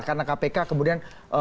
karena kpk kemudian